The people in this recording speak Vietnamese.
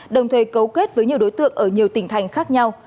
đồng thời cấu kết với nhiều đối tượng ở nhiều tỉnh thành khác nhau